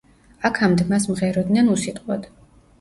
აქამდე მას მღეროდნენ უსიტყვოდ.